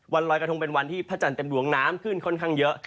รอยกระทงเป็นวันที่พระจันทร์เต็มดวงน้ำขึ้นค่อนข้างเยอะ